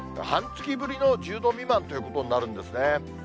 半月ぶりの１０度未満になるということになるんですね。